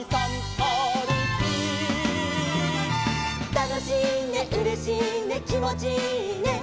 「たのしいねうれしいねきもちいいね」